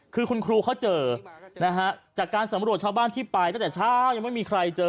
คือคุณครูเขาเจอนะฮะจากการสำรวจชาวบ้านที่ไปตั้งแต่เช้ายังไม่มีใครเจอ